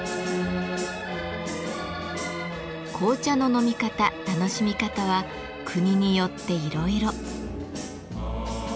紅茶の飲み方楽しみ方は国によっていろいろ。